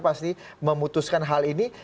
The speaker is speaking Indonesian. pasti memutuskan hal ini